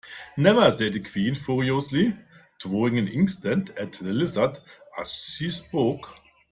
‘Never!’ said the Queen furiously, throwing an inkstand at the Lizard as she spoke.